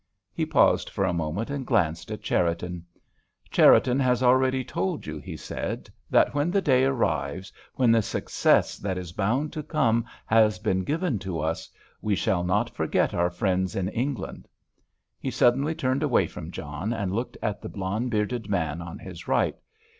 He paused for a moment, and glanced at Cherriton. "Cherriton has already told you," he said, "that when the Day arrives, when the success that is bound to come, has been given to us, we shall not forget our friends in England." He suddenly turned away from John, and looked at the blond bearded man on his right.